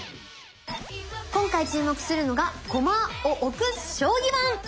今回注目するのが駒を置く将棋盤！